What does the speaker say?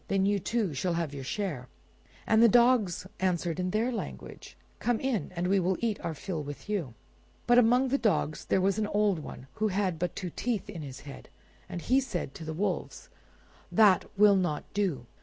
Then you, too, shall have your share." And the dogs answered in their language, "Come in; and we will eat our fill with you." But among the dogs there was an old one, who had but two teeth in his head, and he said to the wolves— "That will not do.